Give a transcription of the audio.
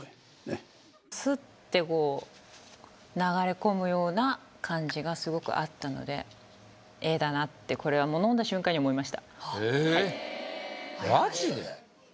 っスッてこう流れ込むような感じがすごくあったのでＡだなってこれはもうええーマジで？